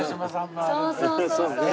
そうそうそうそう。